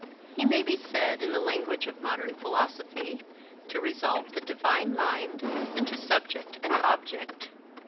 He may be said, in the language of modern philosophy, to resolve the divine mind into subject and object.